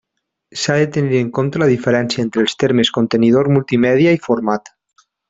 S'ha de tenir en compte la diferència entre els termes contenidor multimèdia i format.